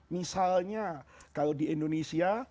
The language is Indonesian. misalnya kalau di indonesia